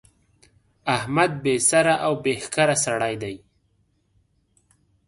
احمد بې سره او بې ښکره سړی دی.